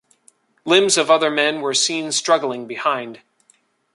Limbs of other men were seen struggling behind.